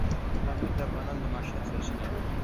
پامیر د افغانانو د معیشت سرچینه ده.